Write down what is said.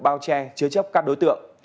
bao che chứa chấp các đối tượng